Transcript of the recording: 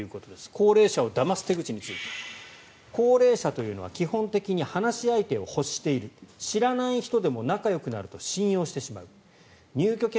高齢者をだます手口について高齢者というのは基本的に話し相手を欲している知らない人でも仲よくなると信用してしまう入居権